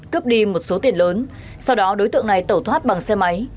cướp đi một số tiền lớn sau đó đối tượng này tẩu thoát bằng xe máy